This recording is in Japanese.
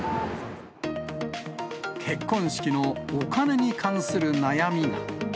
結婚式のお金に関する悩みが。